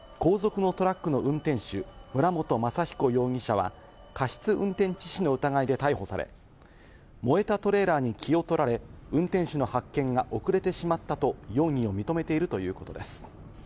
後続のトラックの運転手・村元雅彦容疑者は過失運転致死の疑いで逮捕され、燃えたトレーラーに気を取られ、運転手の発見が遅れてしまったと容疑を認めているということです。